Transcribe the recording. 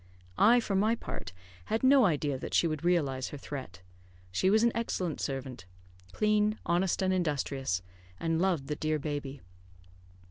I, for my part, had no idea that she would realise her threat. She was an excellent servant, clean, honest, and industrious, and loved the dear baby.